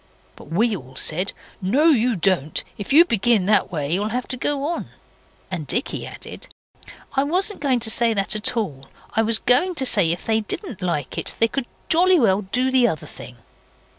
But we all said 'No, you don't if you begin that way you'll have to go on.' And Dicky added, 'I wasn't going to say that at all. I was going to say if they didn't like it they could jolly well do the other thing.